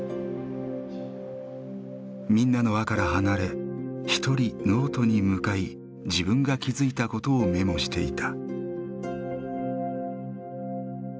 みんなの輪から離れ一人ノートに向かい自分が気付いたことをメモしていた。